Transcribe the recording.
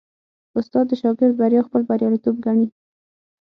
استاد د شاګرد بریا خپل بریالیتوب ګڼي.